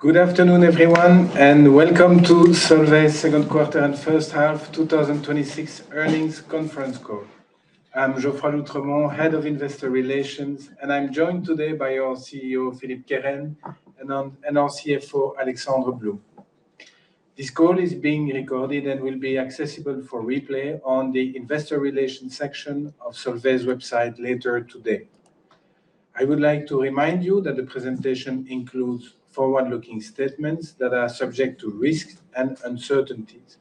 Good afternoon, everyone, and welcome to Solvay's second quarter and first half 2026 earnings conference call. I'm Geoffroy d'Oultremont, head of investor relations, and I'm joined today by our CEO, Philippe Kehren, and our CFO, Alexandre Blum. This call is being recorded and will be accessible for replay on the investor relations section of Solvay's website later today. I would like to remind you that the presentation includes forward-looking statements that are subject to risks and uncertainties.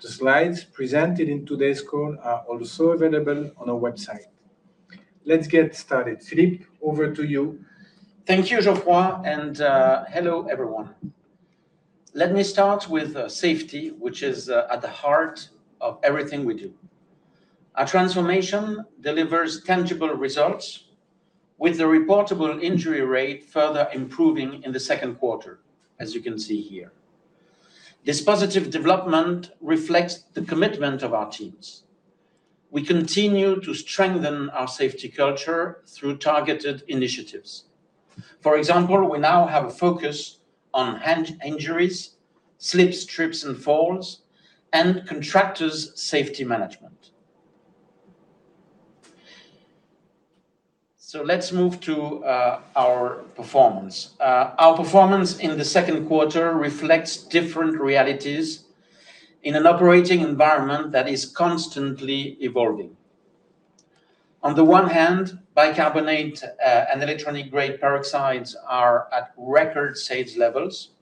The slides presented in today's call are also available on our website. Let's get started. Philippe, over to you. Thank you, Geoffroy. Hello, everyone. Let me start with safety, which is at the heart of everything we do. Our transformation delivers tangible results, with the reportable injury rate further improving in the second quarter, as you can see here. This positive development reflects the commitment of our teams. We continue to strengthen our safety culture through targeted initiatives. For example, we now have a focus on hand injuries, slips, trips and falls, and contractors' safety management. Let's move to our performance. Our performance in the second quarter reflects different realities in an operating environment that is constantly evolving. On the one hand, bicarbonate and electronic-grade peroxides are at record sales levels.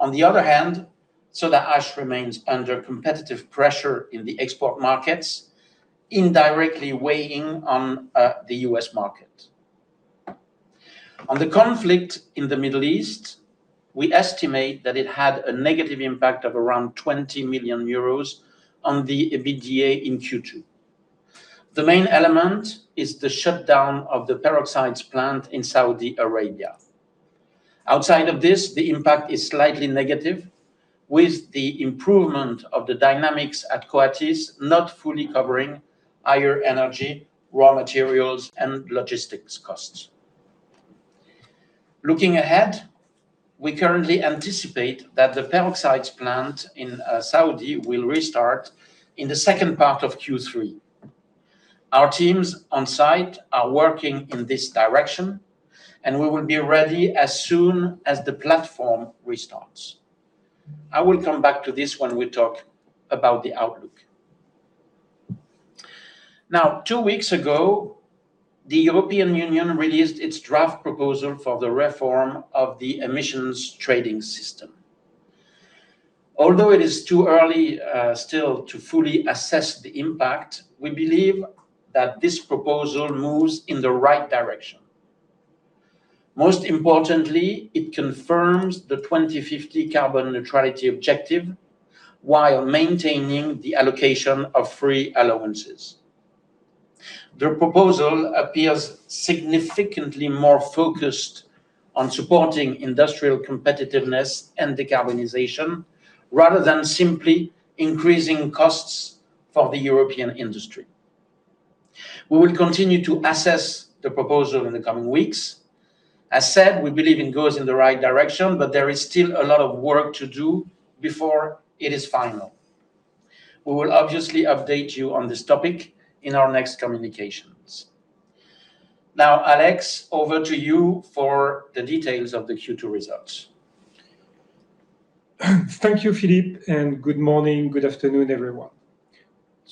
On the other hand, soda ash remains under competitive pressure in the export markets, indirectly weighing on the U.S. market. On the conflict in the Middle East, we estimate that it had a negative impact of around 20 million euros on the EBITDA in Q2. The main element is the shutdown of the peroxides plant in Saudi Arabia. Outside of this, the impact is slightly negative, with the improvement of the dynamics at Coatis not fully covering higher energy, raw materials, and logistics costs. Looking ahead, we currently anticipate that the peroxides plant in Saudi will restart in the second part of Q3. Our teams on site are working in this direction, and we will be ready as soon as the platform restarts. I will come back to this when we talk about the outlook. Two weeks ago, the European Union released its draft proposal for the reform of the emissions trading system. Although it is too early still to fully assess the impact, we believe that this proposal moves in the right direction. Most importantly, it confirms the 2050 carbon neutrality objective while maintaining the allocation of free allowances. The proposal appears significantly more focused on supporting industrial competitiveness and decarbonization, rather than simply increasing costs for the European industry. We will continue to assess the proposal in the coming weeks. As said, we believe it goes in the right direction. There is still a lot of work to do before it is final. We will obviously update you on this topic in our next communications. Alex, over to you for the details of the Q2 results. Thank you, Philippe, good morning, good afternoon, everyone.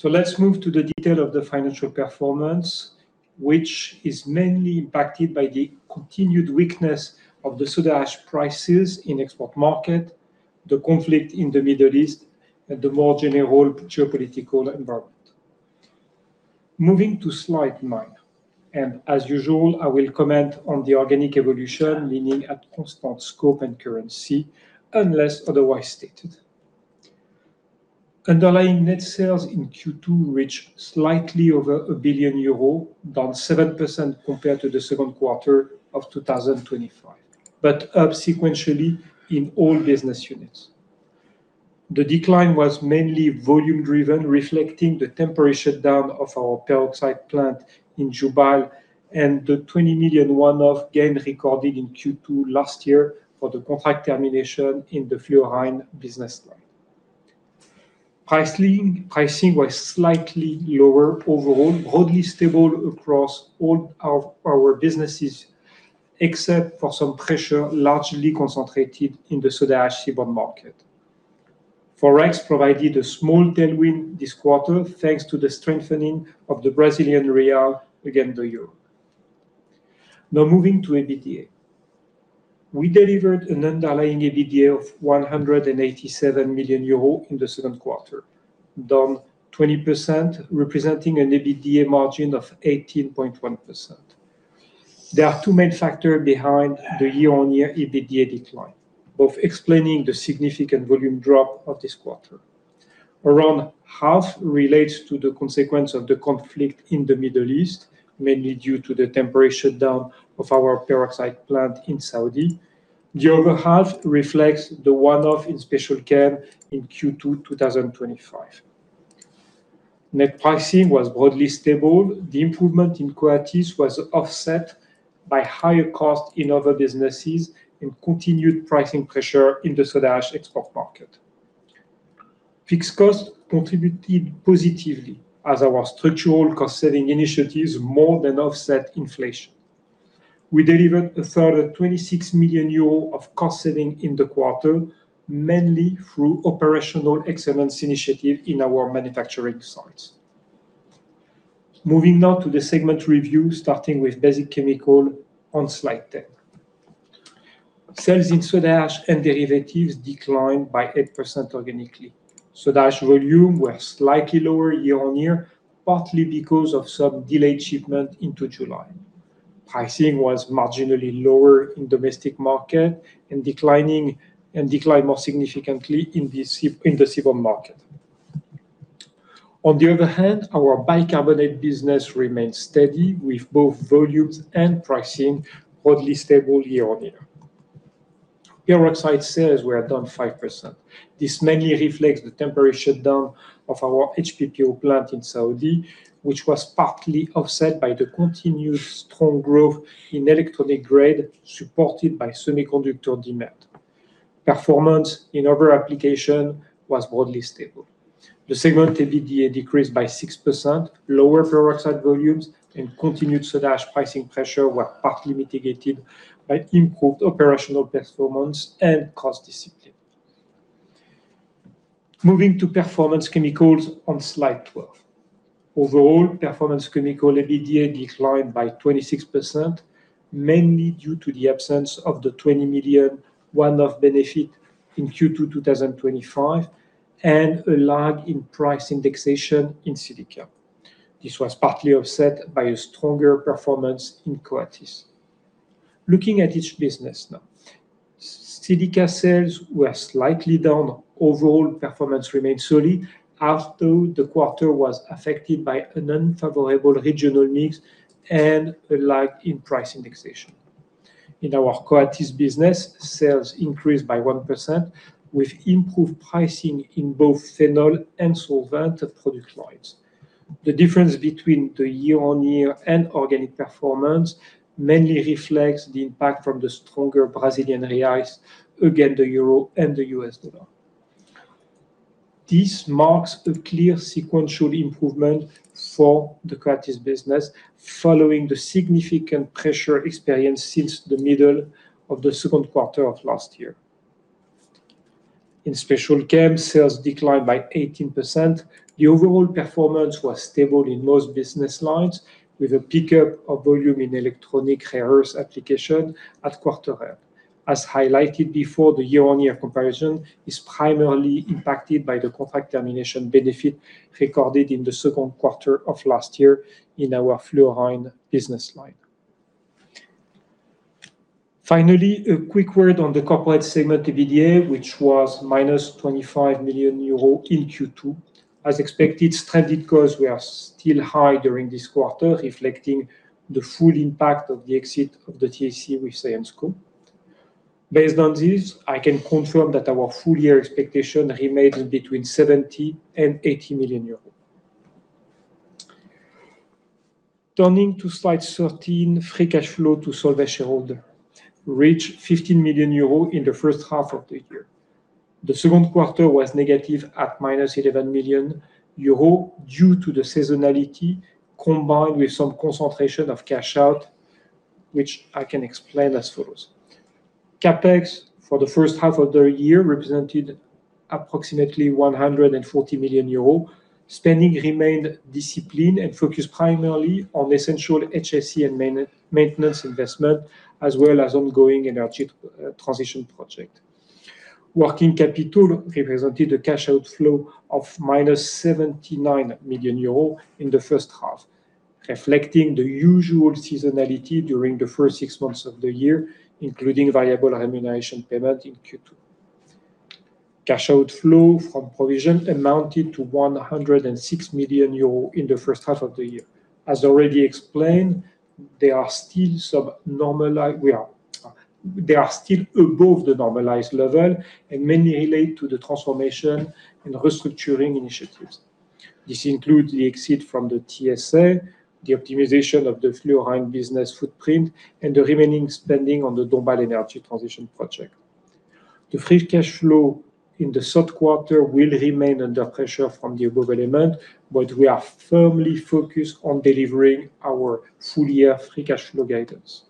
Let's move to the detail of the financial performance, which is mainly impacted by the continued weakness of the Soda Ash prices in export market, the conflict in the Middle East, and the more general geopolitical environment. Moving to Slide 9. As usual, I will comment on the organic evolution leading at constant scope and currency, unless otherwise stated. Underlying net sales in Q2 reached slightly over 1 billion euro, down 7% compared to the second quarter of 2025, up sequentially in all business units. The decline was mainly volume-driven, reflecting the temporary shutdown of our Peroxides plant in Jubail and the 20 million one-off gain recorded in Q2 last year for the contract termination in the fluorine business line. Pricing was slightly lower overall, broadly stable across all our businesses, except for some pressure largely concentrated in the Soda Ash seaborne market. ForEx provided a small tailwind this quarter, thanks to the strengthening of the Brazilian real against the EUR. Moving to EBITDA. We delivered an underlying EBITDA of 187 million euros in the second quarter, down 20%, representing an EBITDA margin of 18.1%. There are two main factors behind the year-on-year EBITDA decline, both explaining the significant volume drop of this quarter. Around half relates to the consequence of the conflict in the Middle East, mainly due to the temporary shutdown of our Peroxides plant in Saudi. The other half reflects the one-off in Special Chem in Q2 2025. Net pricing was broadly stable. The improvement in Coatis was offset by higher cost in other businesses and continued pricing pressure in the Soda Ash export market. Fixed costs contributed positively as our structural cost-saving initiatives more than offset inflation. We delivered a further 26 million euro of cost saving in the quarter, mainly through operational excellence initiative in our manufacturing sites. Moving to the segment review, starting with Basic Chemicals on Slide 10. Sales in Soda Ash and derivatives declined by 8% organically. Soda Ash volume were slightly lower year-on-year, partly because of some delayed shipment into July. Pricing was marginally lower in domestic market and declined more significantly in the seaborne market. On the other hand, our Bicarbonate business remained steady with both volumes and pricing broadly stable year-on-year. Peroxides sales were down 5%. This mainly reflects the temporary shutdown of our HPPO plant in Saudi, which was partly offset by the continued strong growth in electronic grade, supported by semiconductor demand. Performance in other application was broadly stable. The segment EBITDA decreased by 6%. Lower Peroxides volumes and continued Soda Ash pricing pressure were partly mitigated by improved operational performance and cost discipline. Moving to Performance Chemicals on Slide 12. Overall, Performance Chemicals EBITDA declined by 26%, mainly due to the absence of the 20 million one-off benefit in Q2 2025, and a lag in price indexation in Silica. This was partly offset by a stronger performance in Coatis. Looking at each business. Silica sales were slightly down. Overall performance remained solid after the quarter was affected by an unfavorable regional mix and a lag in price indexation. In our Coatis business, sales increased by 1% with improved pricing in both Phenol and solvent product lines. The difference between the year-on-year and organic performance mainly reflects the impact from the stronger Brazilian reais against the EUR and the USD. This marks a clear sequential improvement for the Coatis business, following the significant pressure experienced since the middle of the second quarter of last year. In Special Chem, sales declined by 18%. The overall performance was stable in most business lines, with a pickup of volume in electronic rare earths application at quarter end. As highlighted before, the year-on-year comparison is primarily impacted by the contract termination benefit recorded in the second quarter of last year in our fluorine business line. Finally, a quick word on the Corporate segment EBITDA, which was minus 25 million euro in Q2. As expected, stranded costs were still high during this quarter, reflecting the full impact of the exit of the TSA with Saes Getinge. Based on this, I can confirm that our full-year expectation remains between 70 million and 80 million euros. Turning to Slide 13, free cash flow to Solvay shareholder reached 15 million euro in the first half of the year. The second quarter was negative at minus 11 million euro due to the seasonality combined with some concentration of cash out, which I can explain as follows. CapEx for the first half of the year represented approximately 140 million euros. Spending remained disciplined and focused primarily on essential HSE and maintenance investment, as well as ongoing energy transition project. Working capital represented a cash outflow of minus 79 million euro in the first half, reflecting the usual seasonality during the first six months of the year, including variable remuneration payment in Q2. Cash outflow from provision amounted to 106 million euros in the first half of the year. As already explained, they are still above the normalized level and mainly relate to the transformation and restructuring initiatives. This includes the exit from the TSA, the optimization of the fluorine business footprint, and the remaining spending on the Dombasle energy transition project. The free cash flow in the third quarter will remain under pressure from the above element, but we are firmly focused on delivering our full-year free cash flow guidance.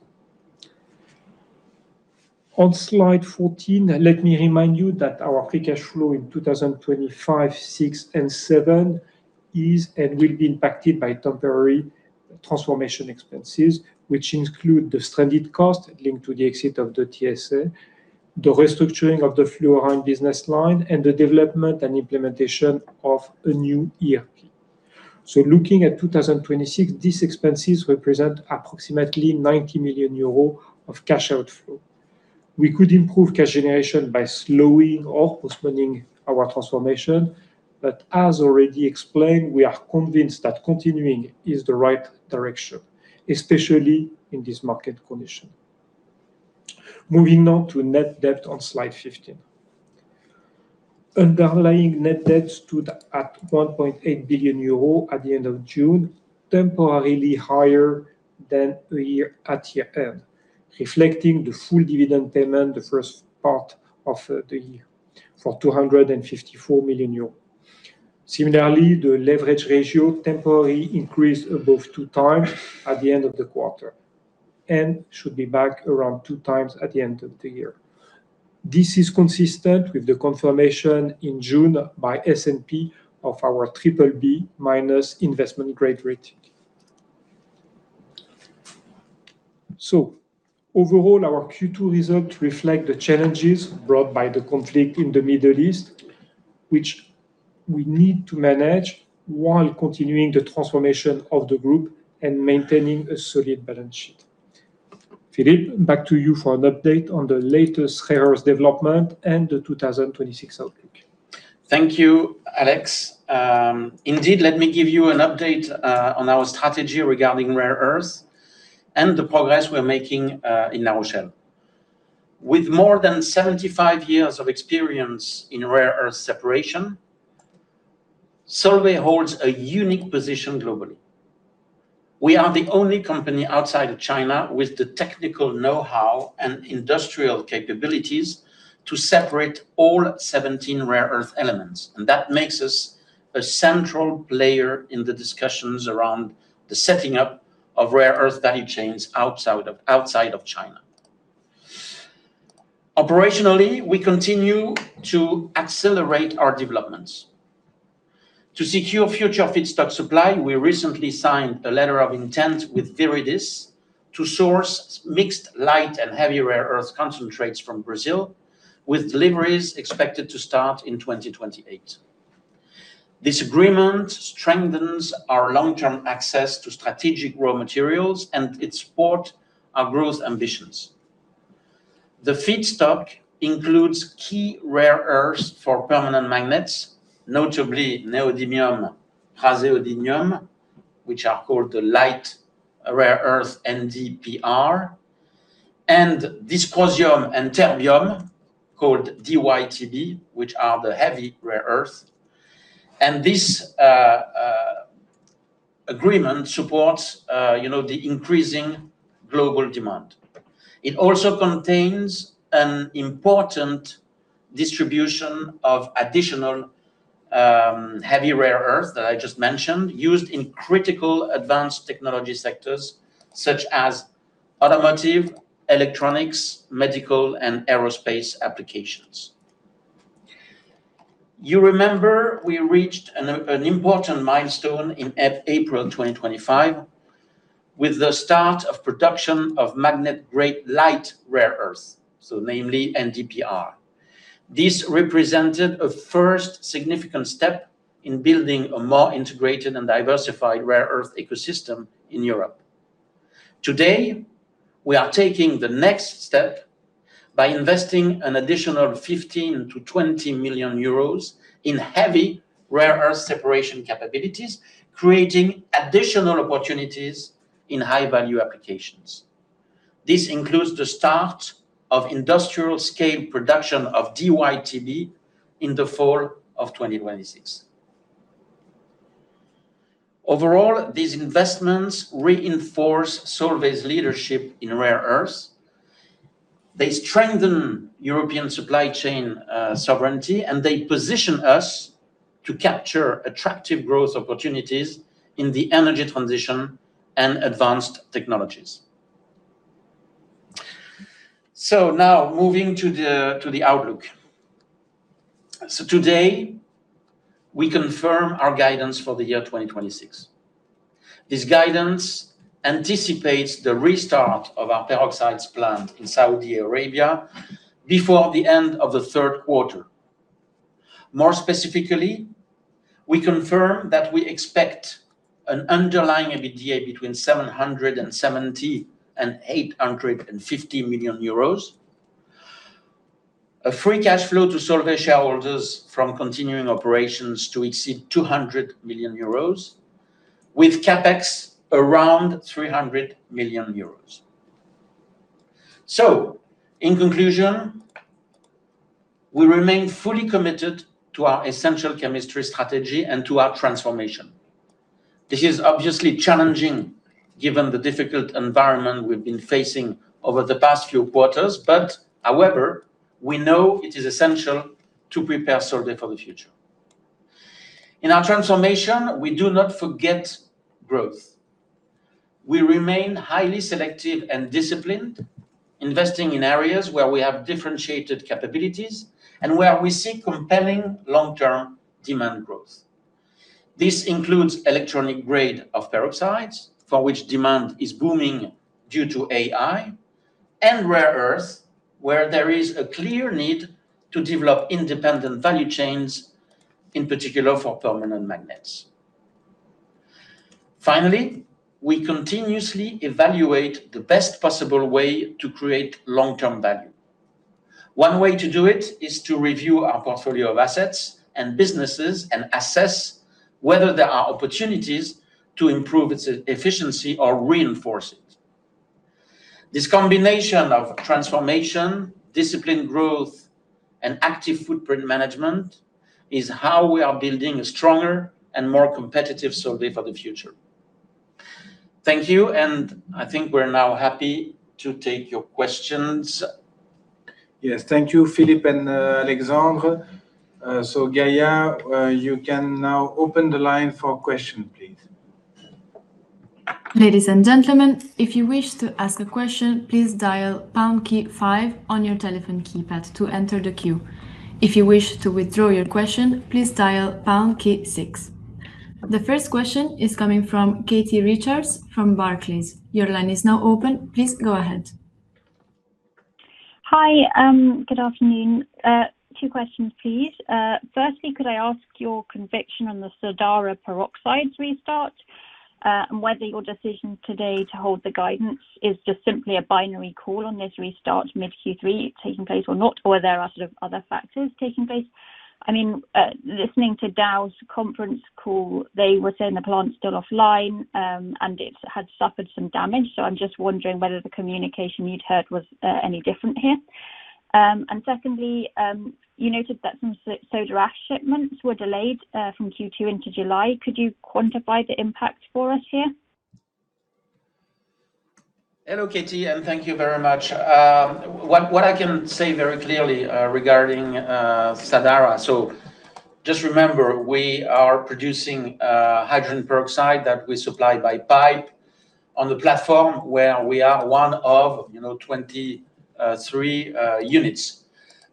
On Slide 14, let me remind you that our free cash flow in 2025, 2026, and 2027 is and will be impacted by temporary transformation expenses, which include the stranded cost linked to the exit of the TSA, the restructuring of the fluorine business line, and the development and implementation of a new ERP. Looking at 2026, these expenses represent approximately 90 million euros of cash outflow. We could improve cash generation by slowing or postponing our transformation, but as already explained, we are convinced that continuing is the right direction, especially in this market condition. Moving on to net debt on Slide 15. Underlying net debt stood at 1.8 billion euro at the end of June, temporarily higher than at year-end, reflecting the full dividend payment the first part of the year for 254 million euros. Similarly, the leverage ratio temporarily increased above two times at the end of the quarter and should be back around two times at the end of the year. This is consistent with the confirmation in June by S&P of our BBB- investment-grade rating. Overall, our Q2 results reflect the challenges brought by the conflict in the Middle East, which we need to manage while continuing the transformation of the group and maintaining a solid balance sheet. Philippe, back to you for an update on the latest rare earths development and the 2026 outlook. Thank you, Alex. Indeed, let me give you an update on our strategy regarding rare earths and the progress we're making in La Rochelle. With more than 75 years of experience in rare earth separation, Solvay holds a unique position globally. We are the only company outside of China with the technical know-how and industrial capabilities to separate all 17 rare earth elements. That makes us a central player in the discussions around the setting up of rare earth value chains outside of China. Operationally, we continue to accelerate our developments. To secure future feedstock supply, we recently signed a letter of intent with Viridis to source mixed light and heavy rare earth concentrates from Brazil, with deliveries expected to start in 2028. This agreement strengthens our long-term access to strategic raw materials. It supports our growth ambitions. The feedstock includes key rare earths for permanent magnets, notably neodymium-praseodymium, which are called the light rare earth NdPr, and dysprosium and terbium, called DyTb, which are the heavy rare earths. This agreement supports the increasing global demand. It also contains an important distribution of additional heavy rare earths that I just mentioned, used in critical advanced technology sectors such as automotive, electronics, medical, and aerospace applications. You remember we reached an important milestone in April 2025 with the start of production of magnet-grade light rare earths, namely NdPr. This represented a first significant step in building a more integrated and diversified rare earth ecosystem in Europe. Today, we are taking the next step by investing an additional 15 million to 20 million euros in heavy rare earth separation capabilities, creating additional opportunities in high-value applications. This includes the start of industrial-scale production of DyTb in the fall of 2026. Overall, these investments reinforce Solvay's leadership in rare earths. They strengthen European supply chain sovereignty. They position us to capture attractive growth opportunities in the energy transition and advanced technologies. Now moving to the outlook. Today, we confirm our guidance for the year 2026. This guidance anticipates the restart of our Peroxides plant in Saudi Arabia before the end of the third quarter. More specifically, we confirm that we expect an underlying EBITDA between 770 million and 850 million euros, a free cash flow to Solvay shareholders from continuing operations to exceed 200 million euros, with CapEx around 300 million euros. In conclusion, we remain fully committed to our essential chemistry strategy and to our transformation. This is obviously challenging given the difficult environment we've been facing over the past few quarters. However, we know it is essential to prepare Solvay for the future. In our transformation, we do not forget growth. We remain highly selective and disciplined, investing in areas where we have differentiated capabilities and where we see compelling long-term demand growth. This includes electronic-grade peroxides, for which demand is booming due to AI, and rare earths, where there is a clear need to develop independent value chains, in particular for permanent magnets. Finally, we continuously evaluate the best possible way to create long-term value. One way to do it is to review our portfolio of assets and businesses and assess whether there are opportunities to improve its efficiency or reinforce it. This combination of transformation, disciplined growth, and active footprint management is how we are building a stronger and more competitive Solvay for the future. Thank you. I think we're now happy to take your questions. Yes. Thank you, Philippe and Alexandre. Gaia, you can now open the line for questions, please. Ladies and gentlemen, if you wish to ask a question, please dial pound key five on your telephone keypad to enter the queue. If you wish to withdraw your question, please dial pound key six. The first question is coming from Katie Richards from Barclays. Your line is now open. Please go ahead. Hi. Good afternoon. Two questions, please. Firstly, could I ask your conviction on the Sadara Peroxides restart, and whether your decision today to hold the guidance is just simply a binary call on this restart mid Q3 taking place or not, or there are other factors taking place? Listening to Dow's conference call, they were saying the plant's still offline, and it had suffered some damage. I'm just wondering whether the communication you'd heard was any different here. Secondly, you noted that some Soda Ash shipments were delayed from Q2 into July. Could you quantify the impact for us here? Hello, Katie, and thank you very much. What I can say very clearly regarding Sadara, so just remember, we are producing hydrogen peroxide that we supply by pipe on the platform where we are one of 23 units.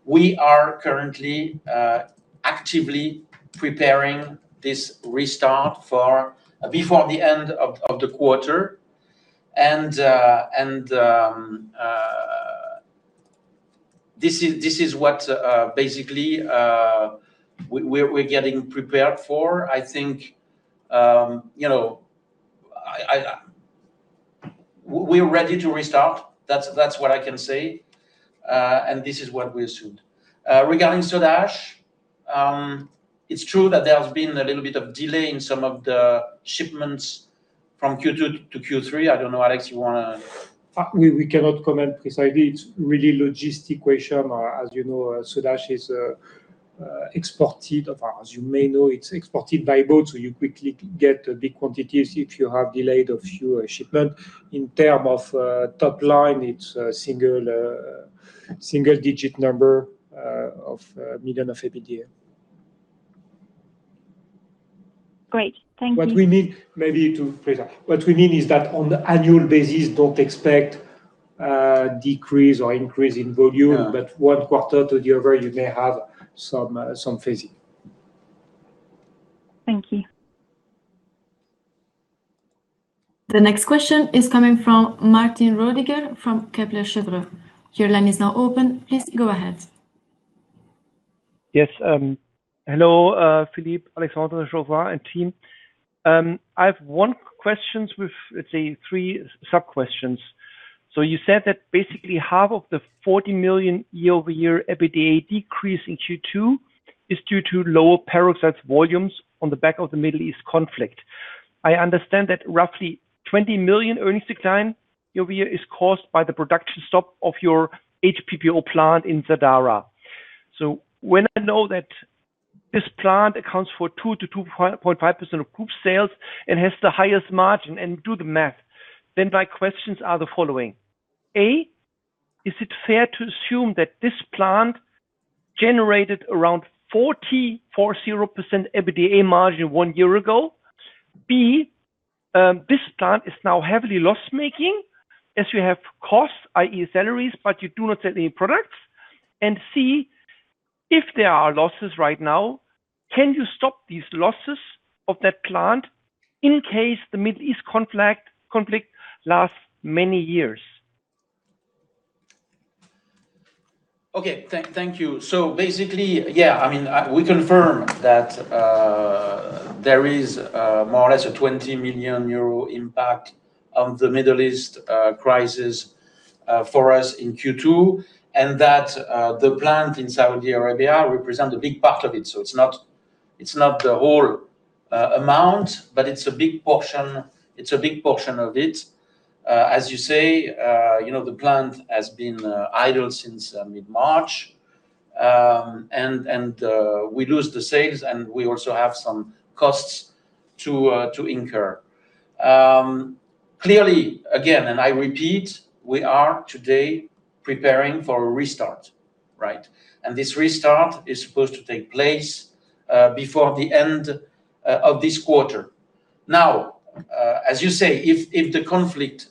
We are currently actively preparing this restart for before the end of the quarter, and this is what basically we're getting prepared for. I think we are ready to restart. That's what I can say, and this is what we assumed. Regarding Soda Ash, it's true that there has been a little bit of delay in some of the shipments from Q2 to Q3. I don't know, Alex, you want to- We cannot comment precisely. It's really logistic question. As you know, Soda Ash is exported, or as you may know, it's exported by boat, so you quickly get big quantities if you have delayed a few shipments. In term of top line, it's a single-digit number of- Great. Thank you. What we mean, maybe to phrase that. What we mean is that on the annual basis, don't expect a decrease or increase in volume. Yeah. One quarter to the other, you may have some phasing. Thank you. The next question is coming from Martin Rödiger from Kepler Cheuvreux. Your line is now open. Please go ahead. Yes. Hello, Philippe, Alexandre, Geoffroy, and team. I have one question with, let's say, three sub-questions. You said that basically half of the 40 million year-over-year EBITDA decrease in Q2 is due to lower Peroxides volumes on the back of the Middle East conflict. I understand that roughly 20 million earnings decline year-over-year is caused by the production stop of your HPPO plant in Sadara. When I know that this plant accounts for 2% to 2.5% of group sales and has the highest margin and do the math, then my questions are the following. A, is it fair to assume that this plant generated around 40% EBITDA margin one year ago? B, this plant is now heavily loss-making as you have costs, i.e. salaries, but you do not sell any products. C, if there are losses right now, can you stop these losses of that plant in case the Middle East conflict lasts many years? Okay. Thank you. Basically, yeah, we confirm that there is more or less a 20 million euro impact on the Middle East crisis for us in Q2, that the plant in Saudi Arabia represents a big part of it. It's not the whole amount, but it's a big portion of it. As you say, the plant has been idle since mid-March. We lose the sales, we also have some costs to incur. Clearly, again, I repeat, we are today preparing for a restart, right? This restart is supposed to take place before the end of this quarter. As you say, if the conflict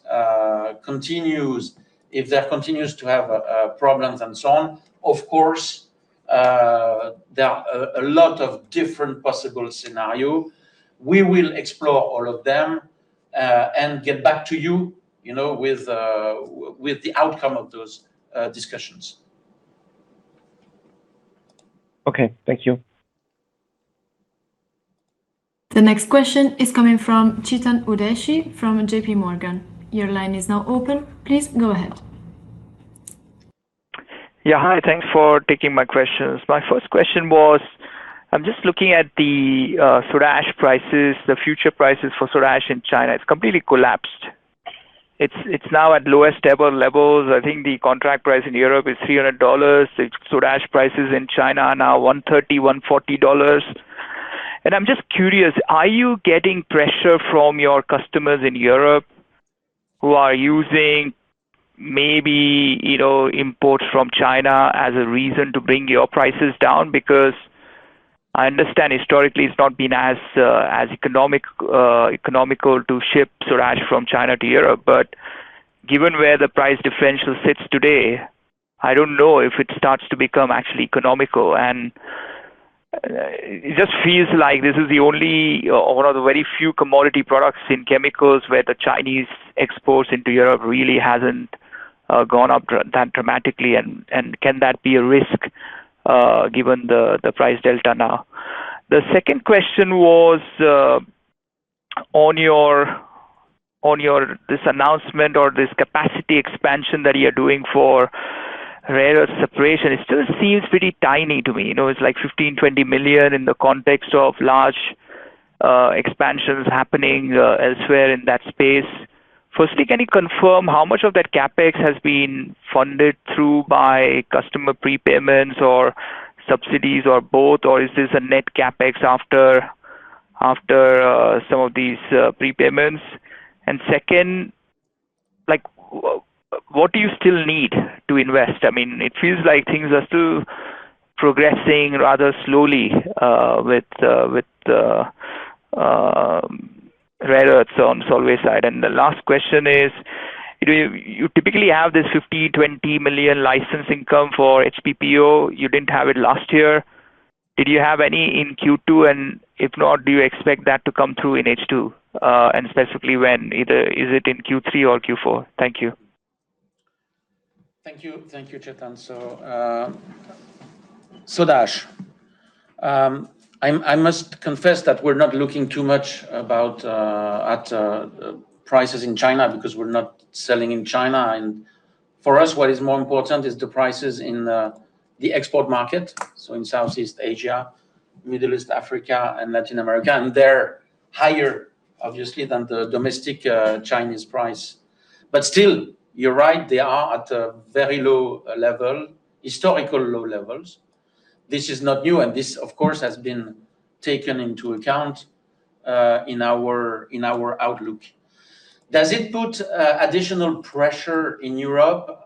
continues, if there continues to have problems and so on, of course, there are a lot of different possible scenarios. We will explore all of them and get back to you with the outcome of those discussions. Okay. Thank you. The next question is coming from Chetan Udeshi from J.P. Morgan. Your line is now open. Please go ahead. Yeah. Hi. Thanks for taking my questions. My first question was, I'm just looking at the Soda Ash prices, the future prices for Soda Ash in China. It's completely collapsed. It's now at lowest ever levels. I think the contract price in Europe is EUR 300. The Soda Ash prices in China are now EUR 130, EUR 140. I'm just curious, are you getting pressure from your customers in Europe who are using maybe imports from China as a reason to bring your prices down? I understand historically it's not been as economical to ship Soda Ash from China to Europe. Given where the price differential sits today, I don't know if it starts to become actually economical, and it just feels like this is the only or one of the very few commodity products in chemicals where the Chinese exports into Europe really hasn't gone up that dramatically, and can that be a risk given the price delta now? The second question was on this announcement or this capacity expansion that you're doing for rare earth separation, it still seems pretty tiny to me. It's like 15 million-20 million in the context of large expansions happening elsewhere in that space. Firstly, can you confirm how much of that CapEx has been funded through by customer prepayments or subsidies or both, or is this a net CapEx after some of these prepayments? Second, what do you still need to invest? It feels like things are still progressing rather slowly with rare earths on Solvay's side. The last question is, you typically have this 15 million-20 million license income for HPPO. You didn't have it last year. Did you have any in Q2? If not, do you expect that to come through in H2? Specifically, when? Is it in Q3 or Q4? Thank you. Thank you, Chetan. Soda ash. I must confess that we're not looking too much at prices in China because we're not selling in China. For us, what is more important is the prices in the export market, so in Southeast Asia, Middle East Africa, and Latin America. They're higher, obviously, than the domestic Chinese price. Still, you're right, they are at a very low level, historical low levels. This is not new, and this, of course, has been taken into account in our outlook. Does it put additional pressure in Europe?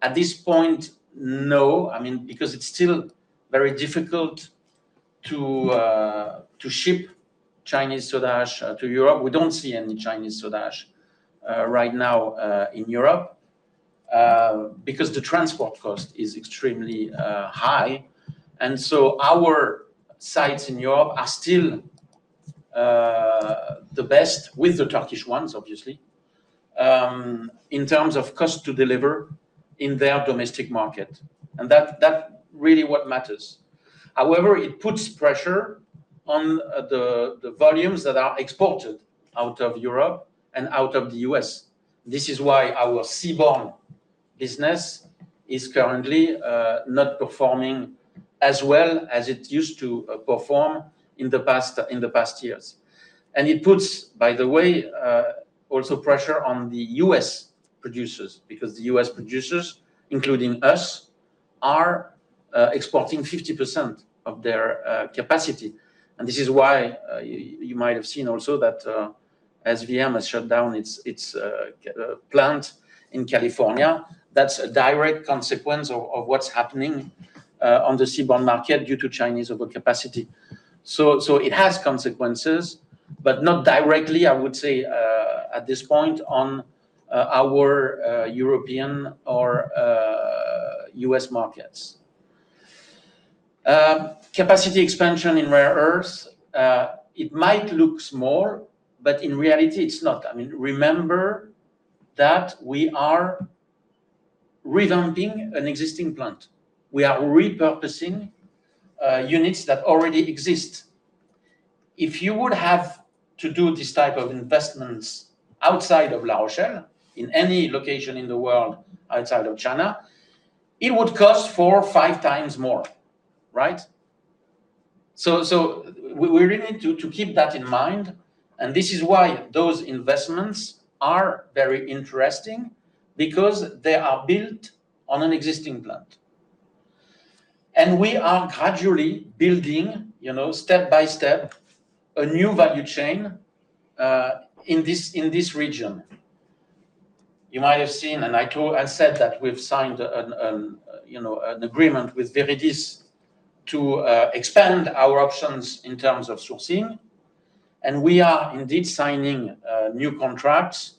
At this point, no, because it's still very difficult to ship Chinese soda ash to Europe. We don't see any Chinese soda ash right now in Europe because the transport cost is extremely high. Our sites in Europe are still the best with the Turkish ones, obviously, in terms of cost to deliver in their domestic market. That's really what matters. However, it puts pressure on the volumes that are exported out of Europe and out of the U.S. This is why our seaborne business is currently not performing as well as it used to perform in the past years. It puts, by the way, also pressure on the U.S. producers, because the U.S. producers, including us, are exporting 50% of their capacity. This is why you might have seen also that SVM has shut down its plant in California. That's a direct consequence of what's happening on the seaborne market due to Chinese overcapacity. It has consequences, but not directly, I would say, at this point on our European or U.S. markets. Capacity expansion in rare earths, it might look small, but in reality, it's not. Remember that we are revamping an existing plant. We are repurposing units that already exist. If you would have to do this type of investments outside of La Rochelle, in any location in the world outside of China, it would cost four or five times more. Right? We really need to keep that in mind, and this is why those investments are very interesting because they are built on an existing plant. We are gradually building, step by step, a new value chain in this region. You might have seen, and I said that we've signed an agreement with Viridis to expand our options in terms of sourcing, and we are indeed signing new contracts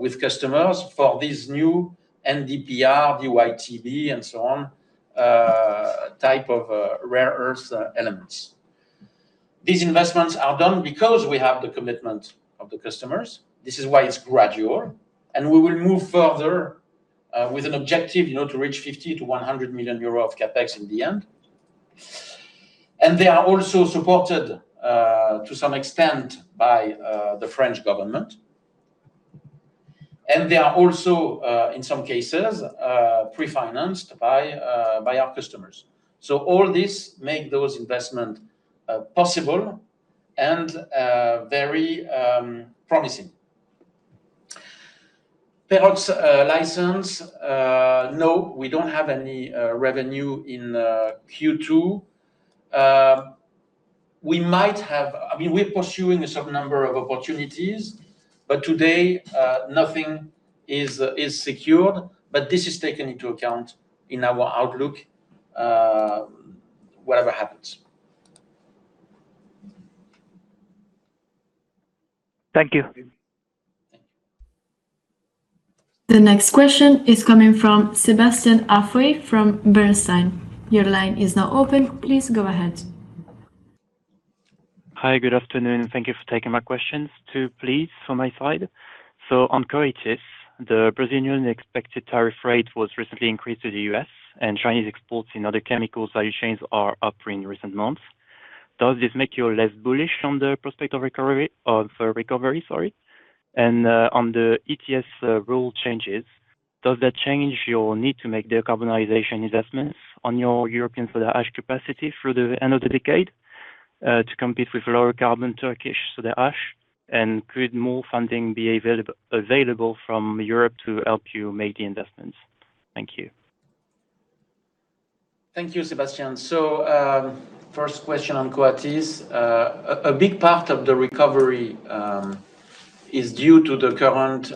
with customers for these new NdPr, DyTb, and so on, type of rare earth elements. These investments are done because we have the commitment of the customers. This is why it's gradual, and we will move further with an objective to reach 50 million-100 million euro of CapEx in the end. They are also supported, to some extent, by the French government. They are also, in some cases, pre-financed by our customers. All this make those investment possible and very promising. Perox license, no, we don't have any revenue in Q2. We're pursuing a certain number of opportunities, but today, nothing is secured. This is taken into account in our outlook, whatever happens. Thank you. The next question is coming from Sebastian Halpern from Bernstein. Your line is now open. Please go ahead. Hi. Good afternoon. Thank you for taking my questions too, please, from my side. On Coatis, the Brazilian expected tariff rate was recently increased to the U.S., and Chinese exports in other chemical value chains are up in recent months. Does this make you less bullish on the prospect of recovery? On the ETS rule changes, does that change your need to make decarbonization investments on your European soda ash capacity through the end of the decade; to compete with lower carbon Turkish soda ash and could more funding be available from Europe to help you make the investments? Thank you. Thank you, Sebastian. First question on Coatis. A big part of the recovery is due to the current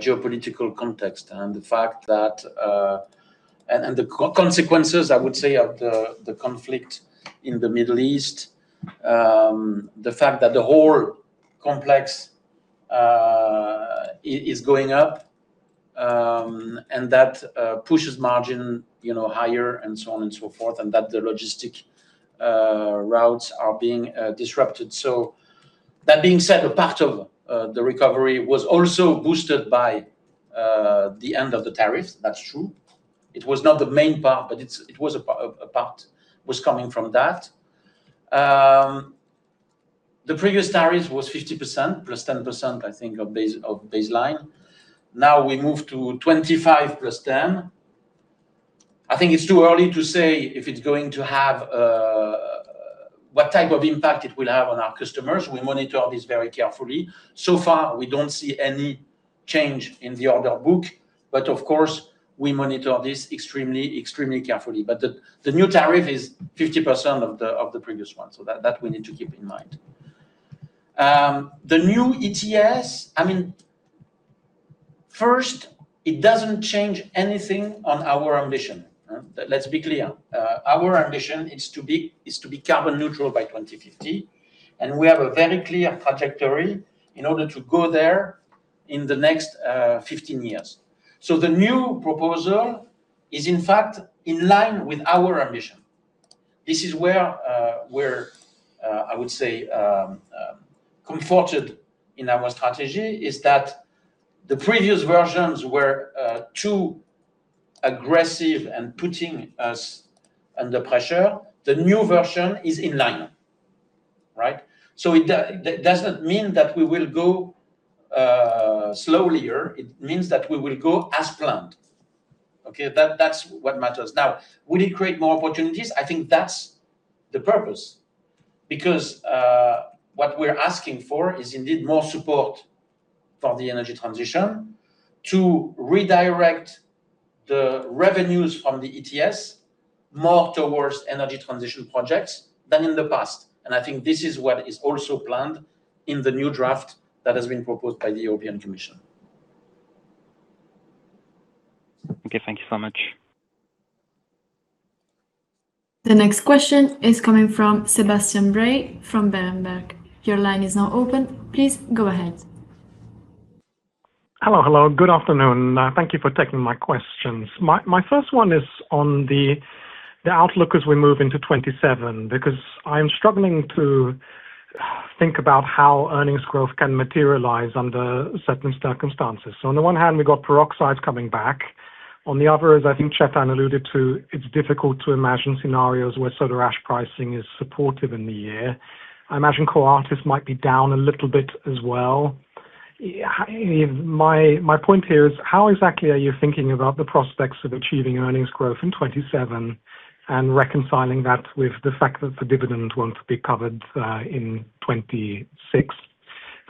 geopolitical context and the consequences, I would say, of the conflict in the Middle East. The fact that the whole complex is going up, and that pushes margin higher and so on and so forth, and that the logistic routes are being disrupted. That being said, a part of the recovery was also boosted by the end of the tariff. That's true. It was not the main part, but a part was coming from that. The previous tariff was 50% plus 10%, I think, of baseline. Now we move to 25% plus 10%. I think it's too early to say what type of impact it will have on our customers. We monitor this very carefully. Far, we don't see any change in the order book, but of course, we monitor this extremely carefully. The new tariff is 50% of the previous one, that we need to keep in mind. The new ETS, first, it doesn't change anything on our ambition. Let's be clear. Our ambition is to be carbon neutral by 2050, and we have a very clear trajectory in order to go there in the next 15 years. The new proposal is, in fact, in line with our ambition. This is where, I would say, comforted in our strategy, is that the previous versions were too aggressive and putting us under pressure. The new version is in line. It doesn't mean that we will go slower. It means that we will go as planned. Okay? That's what matters. Will it create more opportunities? I think that's the purpose because what we're asking for is indeed more support for the energy transition to redirect the revenues from the ETS more towards energy transition projects than in the past. I think this is what is also planned in the new draft that has been proposed by the European Commission. Okay. Thank you so much. The next question is coming from Sebastian Bray from Berenberg. Your line is now open. Please go ahead. Hello. Good afternoon. Thank you for taking my questions. My first one is on the outlook as we move into 2027, because I am struggling to think about how earnings growth can materialize under certain circumstances. On the one hand, we've got peroxides coming back. On the other, as I think Chetan alluded to, it's difficult to imagine scenarios where soda ash pricing is supportive in the year. I imagine Coatis might be down a little bit as well. My point here is how exactly are you thinking about the prospects of achieving earnings growth in 2027 and reconciling that with the fact that the dividend won't be covered in 2026?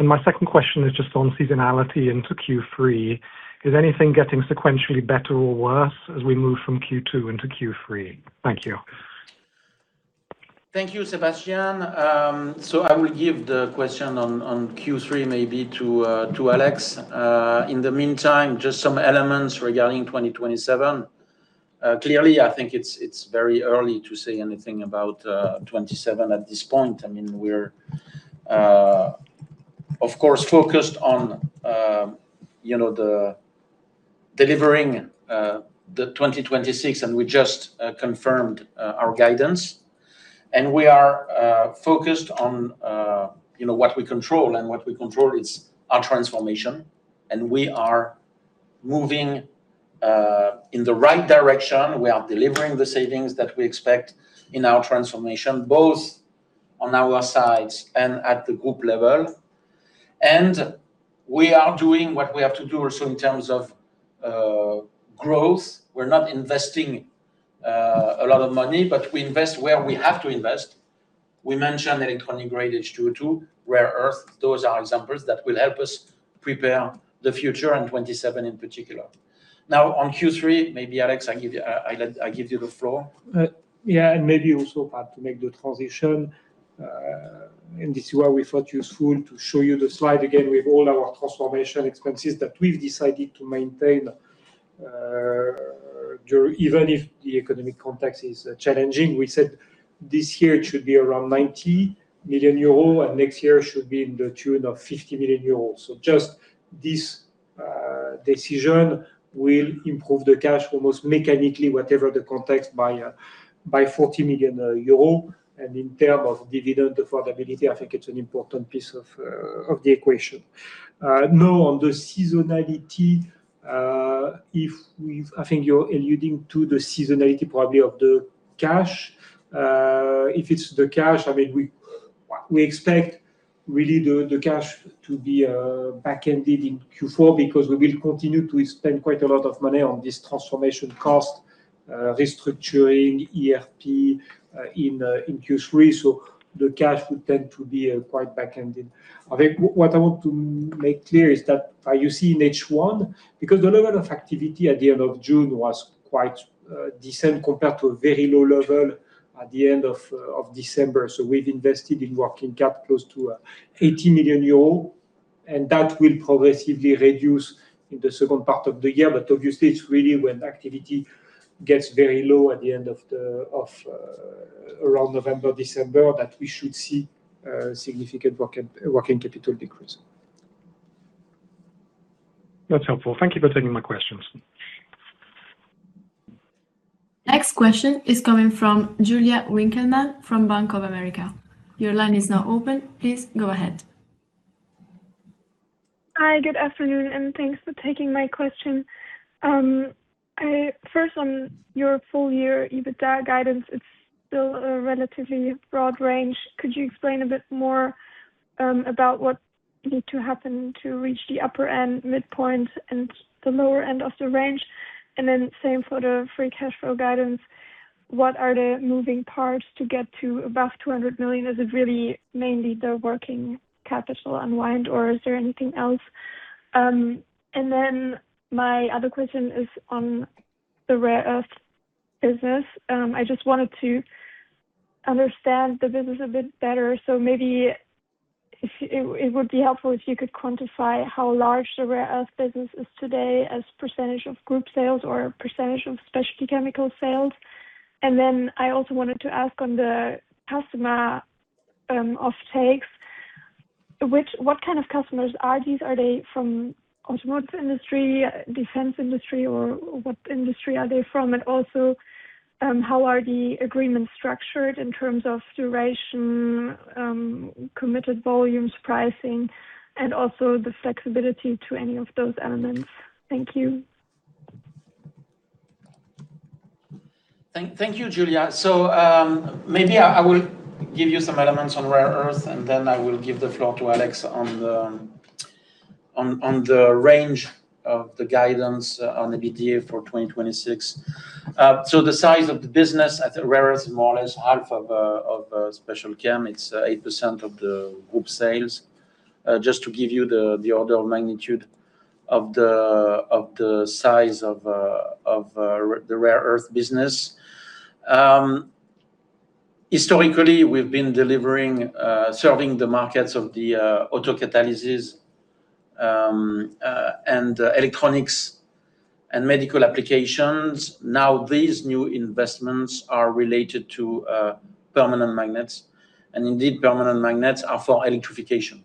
My second question is just on seasonality into Q3. Is anything getting sequentially better or worse as we move from Q2 into Q3? Thank you. Thank you, Sebastian. I will give the question on Q3 maybe to Alex. In the meantime, just some elements regarding 2027. Clearly, I think it's very early to say anything about 2027 at this point. We're, of course, focused on delivering the 2026, and we just confirmed our guidance, and we are focused on You know what we control, and what we control is our transformation, and we are moving in the right direction. We are delivering the savings that we expect in our transformation, both on our sides and at the group level. We are doing what we have to do also in terms of growth. We're not investing a lot of money, but we invest where we have to invest. We mentioned electronic-grade H2O2, rare earth. Those are examples that will help us prepare the future, and 2027 in particular. On Q3, maybe Alex, I give you the floor. Maybe also, Pat, to make the transition, this is where we thought useful to show you the slide again with all our transformation expenses that we've decided to maintain, even if the economic context is challenging. We said this year it should be around 90 million euro, next year it should be in the tune of 50 million euros. Just this decision will improve the cash almost mechanically, whatever the context, by 40 million euro. In term of dividend affordability, I think it's an important piece of the equation. On the seasonality, I think you're alluding to the seasonality probably of the cash. If it's the cash, we expect, really, the cash to be back ended in Q4 because we will continue to spend quite a lot of money on this transformation cost, restructuring, ERP, in Q3. The cash would tend to be quite backended. I think what I want to make clear is that you see in H1, because the level of activity at the end of June was quite decent compared to a very low level at the end of December. We've invested in working capital close to 80 million euros, that will progressively reduce in the second part of the year. Obviously, it's really when activity gets very low at around November, December, that we should see a significant working capital decrease. That's helpful. Thank you for taking my questions. Next question is coming from Julia Winarz from Bank of America. Your line is now open. Please go ahead. Hi, good afternoon, and thanks for taking my question. First, on your full year EBITDA guidance, it's still a relatively broad range. Could you explain a bit more about what needs to happen to reach the upper end midpoint and the lower end of the range? Then same for the free cash flow guidance. What are the moving parts to get to above 200 million? Is it really mainly the working capital unwind, or is there anything else? Then my other question is on the rare earth business. I just wanted to understand the business a bit better, so maybe it would be helpful if you could quantify how large the rare earth business is today as percentage of group sales or percentage of specialty chemical sales. Then I also wanted to ask on the customer offtakes, what kind of customers are these? Are they from automotive industry, defense industry, or what industry are they from? Also, how are the agreements structured in terms of duration, committed volumes, pricing, and also the flexibility to any of those elements? Thank you. Thank you, Julia. Maybe I will give you some elements on rare earth, and then I will give the floor to Alex on the range of the guidance on EBITDA for 2026. The size of the business at the rare earth, more or less half of Special Chem. It's 8% of the group sales. Just to give you the order of magnitude of the size of the rare earth business. Historically, we've been serving the markets of the auto-catalysis, and electronics, and medical applications. Now, these new investments are related to permanent magnets, and indeed, permanent magnets are for electrification.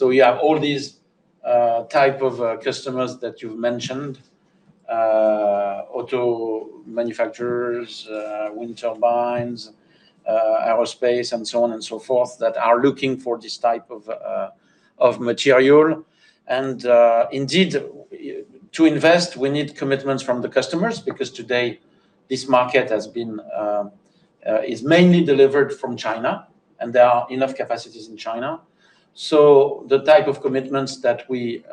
We have all these type of customers that you've mentioned, auto manufacturers, wind turbines, aerospace, and so on and so forth, that are looking for this type of material. Indeed, to invest, we need commitments from the customers because today this market is mainly delivered from China, and there are enough capacities in China. The type of commitments that we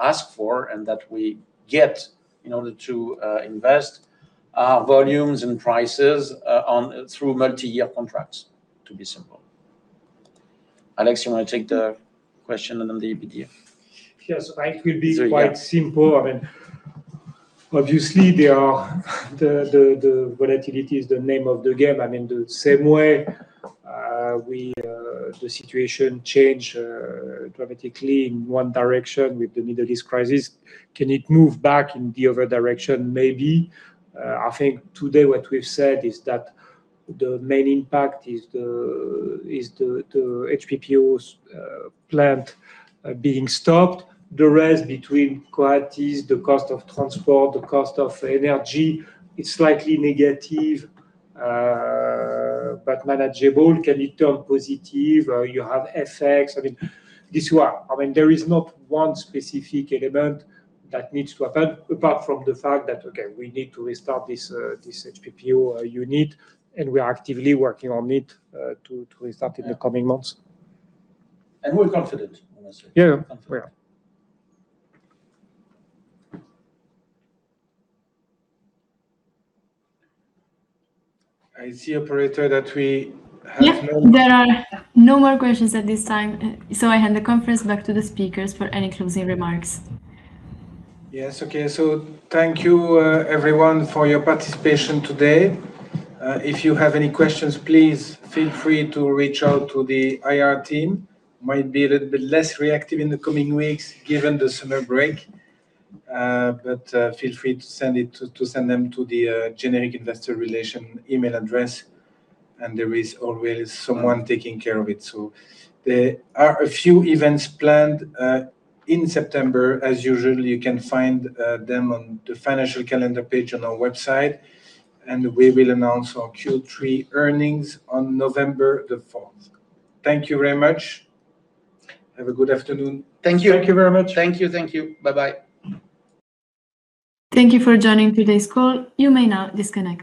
ask for and that we get in order to invest are volumes and prices through multi-year contracts, to be simple. Alex, you want to take the question on the EBITDA? Yes. I will be quite simple. Obviously, the volatility is the name of the game. In the same way the situation change dramatically in one direction with the Middle East crisis, can it move back in the other direction? Maybe. I think today what we've said is that the main impact is the HPPO's plant being stopped. The rest between qualities, the cost of transport, the cost of energy, it's slightly negative, but manageable. Can it turn positive? You have FX. There is not one specific element that needs to happen, apart from the fact that, okay, we need to restart this HPPO unit, and we are actively working on it to restart in the coming months. We're confident, honestly. Yeah. We are. I see, operator, that we have. Yes. There are no more questions at this time. I hand the conference back to the speakers for any closing remarks. Yes. Okay. Thank you everyone for your participation today. If you have any questions, please feel free to reach out to the IR team. Might be a little bit less reactive in the coming weeks given the summer break. Feel free to send them to the generic investor relation email address. There is always someone taking care of it. There are a few events planned in September. As usual, you can find them on the financial calendar page on our website. We will announce our Q3 earnings on November the 4th. Thank you very much. Have a good afternoon. Thank you. Thank you very much. Thank you. Thank you. Bye-bye. Thank you for joining today's call. You may now disconnect.